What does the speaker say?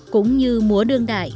cũng như múa đương đại